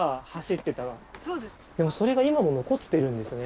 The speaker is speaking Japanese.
でもそれが今も残ってるんですね。